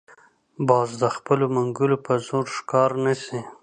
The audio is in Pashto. باز د خپلو منګولو په زور ښکار نیسي